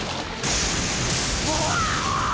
うわ！